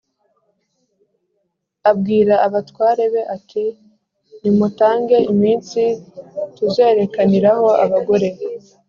abwira abatware be, ati: «nimutange iminsi tuzerekaniraho abagore